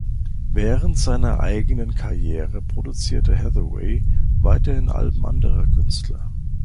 Während seiner eigenen Karriere produzierte Hathaway weiterhin Alben anderer Künstler.